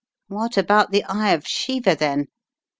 What about the Eye of Shiva, then?